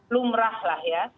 lumrah lah ya